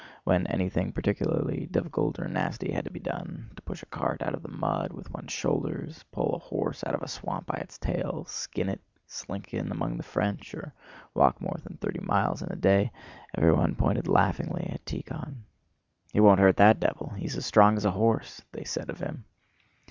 When anything particularly difficult or nasty had to be done—to push a cart out of the mud with one's shoulders, pull a horse out of a swamp by its tail, skin it, slink in among the French, or walk more than thirty miles in a day—everybody pointed laughingly at Tíkhon. "It won't hurt that devil—he's as strong as a horse!" they said of him.